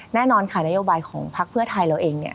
แน่นอนค่ะนโยบายของพักเพื่อไทยเราเองเนี่ย